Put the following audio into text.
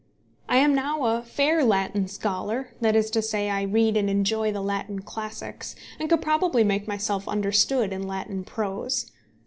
I am now a fair Latin scholar, that is to say, I read and enjoy the Latin classics, and could probably make myself understood in Latin prose.